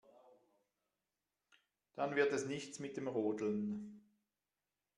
Dann wird es nichts mit dem Rodeln.